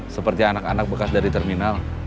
seperti anak anak bekas dari terminal